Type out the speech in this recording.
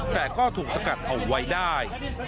แต่ก็ถูกสกัดเอาไว้ได้